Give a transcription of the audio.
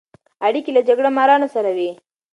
اړیکې له جګړه مارانو سره وې.